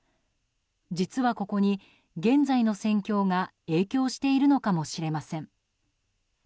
実はここに現在の戦況が影響しているのかもしれません。